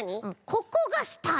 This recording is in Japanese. ここがスタート？